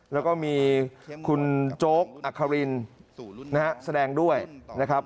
แล้วก็มีคุณโจ๊กอัครินนะฮะแสดงด้วยนะครับ